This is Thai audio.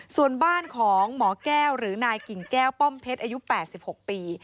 ส่วนบ้านของหมอแก้วหรือนายกิ่งแก้วป้อมเพชรอายุ๘๖ปี